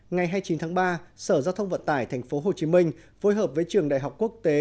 ngày hai mươi chín tháng ba sở giao thông vận tải tp hcm phối hợp với trường đại học quốc tế